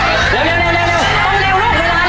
โอ้หลงแล้วหลงแล้ว